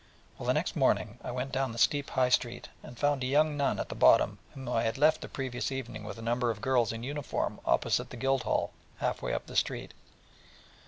'Well, the next morning I went down the steep High Street, and found a young nun at the bottom whom I had left the previous evening with a number of girls in uniform opposite the Guildhall half way up the street.